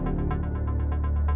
aku mau ke rumah